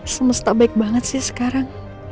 semesta baik banget sih sekarang